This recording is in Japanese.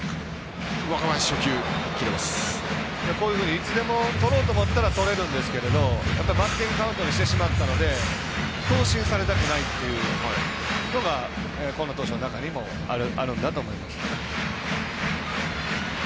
いつでも、とろうと思ったら取れるんですけどバッティングカウントにしてしまったので強振されたくないっていうのが今野投手の中にもあるんだと思います。